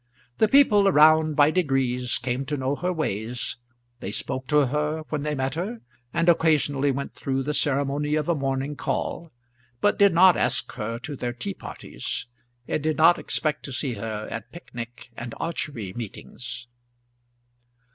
The people around by degrees came to know her ways, they spoke to her when they met her, and occasionally went through the ceremony of a morning call; but did not ask her to their tea parties, and did not expect to see her at picnic and archery meetings.